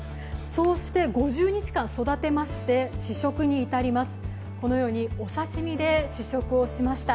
そうして５０日間、育てまして試食に至ります。